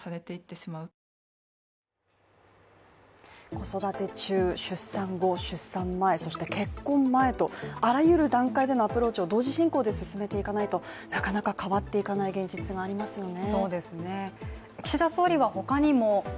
子育て中、出産後、出産前そして結婚前とあらゆる段階でのアプローチを同時進行で進めていかないと、なかなか変わっていかない現実がありますよね。